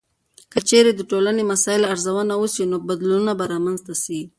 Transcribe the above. که چیرې د ټولنیزو مسایلو ارزونه وسي، نو بدلونونه به رامنځته سي.